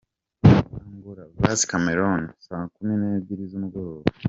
Angola vs Cameroun: saa kumi n’ebyiri z’umugoroba.